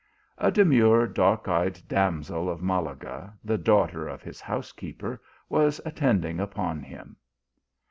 A demure, dark eyed damsel of Malaga, the daughter of his housekeeper, was attending upon him.